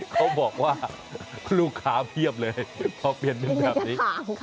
เขาบอกว่าลูกค้าเพียบเลยพอเปลี่ยนเป็นแบบนี้